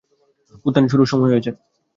উত্থান শুরুর সময় হয়েছে।